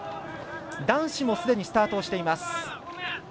男子もすでにスタートしています。